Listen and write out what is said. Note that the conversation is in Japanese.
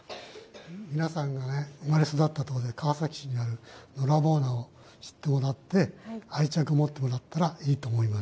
皆さんが生まれ育ったところで、川崎市でのらぼう菜を知ってもらって愛着を持ってくれたらいいと思います。